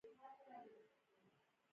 کسبګر هم د دې تولید نماینده ګان دي.